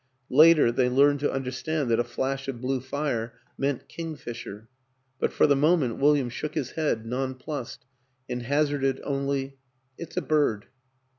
Later they learned to understand that a flash of blue fire meant kingfisher; but for the moment William shook his head, nonplused, and haz arded only, " It's a bird."